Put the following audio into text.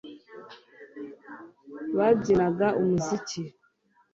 Babyinaga umuziki